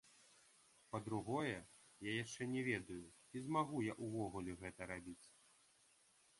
Па-другое, я яшчэ не ведаю, ці змагу я ўвогуле гэта рабіць.